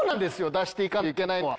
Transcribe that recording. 出していかないといけないのは。